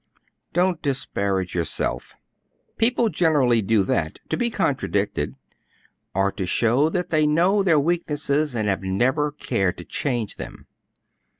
"Don't disparage yourself; people generally do that to be contradicted or to show that they know their weaknesses and have never cared to change them.